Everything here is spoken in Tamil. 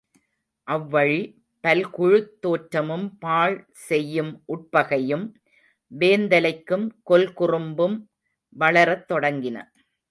அவ்வழி, பல்குழுத் தோற்றமும் பாழ்செய்யும் உட்பகையும் வேந்தலைக்கும் கொல்குறும்பும் வளரத் தொடங்கின.